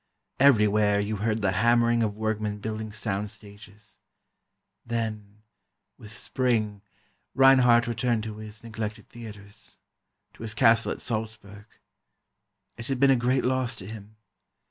Everywhere you heard the hammering of workmen building sound stages. Then—with Spring—Reinhardt returned to his neglected theatres, to his castle at Salzburg. It had been a great loss to him.